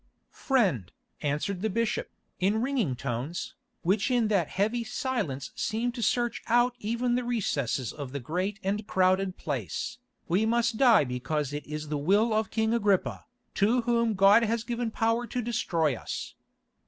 "Friend," answered the bishop, in ringing tones, which in that heavy silence seemed to search out even the recesses of the great and crowded place, "we must die because it is the will of King Agrippa, to whom God has given power to destroy us.